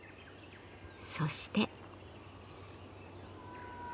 そして。